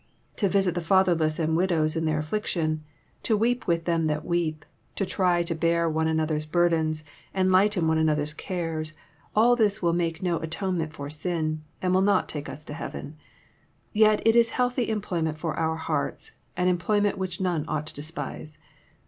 To visit the fatherless and widows in their affliction, to weep with them that weep, to try to bear one another's burdens, and lighten one another's cares, — all this will make no atonement for'sin, and will not take us to heaven. I Yet it is healthy employment for our hearts, and employment which none ought to despise.